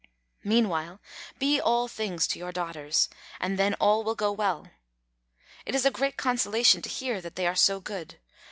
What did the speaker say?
Meanwhile be all things to your daughters, and then all will go well. It is a great consolation to hear that they are so good.